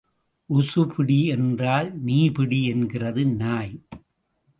உசு பிடி என்றால் நீ பிடி என்கிறது நாய்.